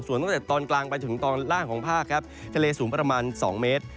ส่วนตั้งแต่ตอนกลางไปจนถึงตอนล่างของภาคครับทะเลสูงประมาณ๒เมตร